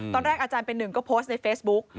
อาจารย์เป็นหนึ่งก็โพสต์ในเฟซบุ๊ก